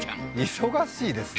忙しいですね